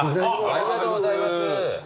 ありがとうございます。